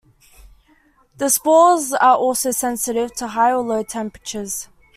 The spores are also sensitive to high or low temperatures.